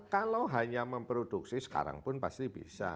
kalau hanya memproduksi sekarang pun pasti bisa